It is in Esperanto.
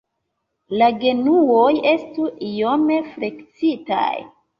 La genuoj estu iom fleksitaj.